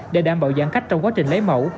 để đảm bảo giãn cách trong quá trình lấy mẫu